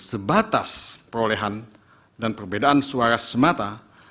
sebatas perolehan dan perbedaan suara semata